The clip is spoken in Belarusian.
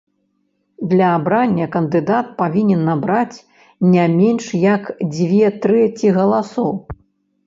Для абрання кандыдат павінен набраць не менш як дзве трэці галасоў.